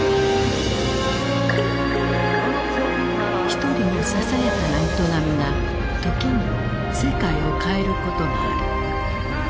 一人のささやかな営みが時に世界を変えることがある。